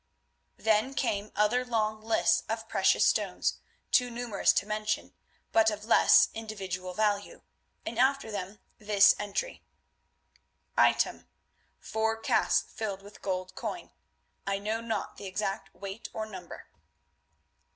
Then came other long lists of precious stones, too numerous to mention, but of less individual value, and after them this entry: "Item: Four casks filled with gold coin (I know not the exact weight or number)."